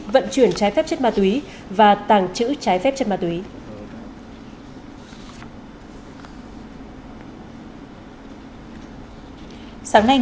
vận chuyển trái phép chất ma túy và tàng trữ trái phép chất ma túy